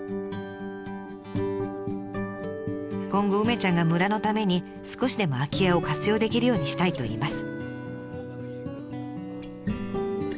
今後梅ちゃんが村のために少しでも空き家を活用できるようにしたいといいます。